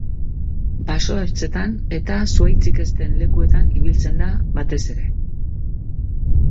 Baso-ertzetan eta zuhaitzik ez den lekuetan ibiltzen da batez ere.